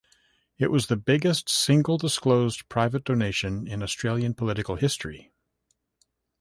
It was the biggest single disclosed private donation in Australian political history.